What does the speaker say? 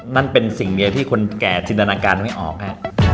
นั่นเป็นสิ่งเดียวที่คนแก่จินตนาการไม่ออกฮะ